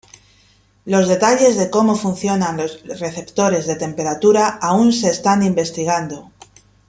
Los detalles de cómo funcionan los receptores de temperatura aún se están investigando.